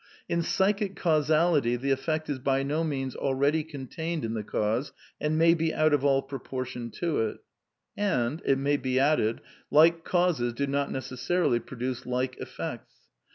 In psychic causality the effect is by no means al ^Y ready contained in the cause and may be out of all pro portion to it. And, it may be added, like causes do not necessarily produce like effects.